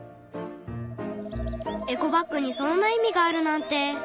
エコバッグにそんな意味があるなんて。